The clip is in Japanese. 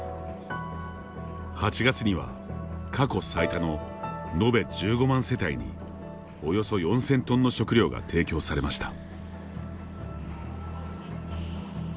８月には、過去最多の延べ１５万世帯におよそ４０００トンの食料が提供されました。